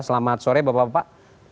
selamat sore bapak bapak